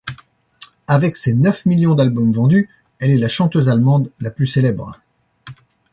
Avec ses neuf millions d'albums vendus, elle est la chanteuse allemande la plus célèbre.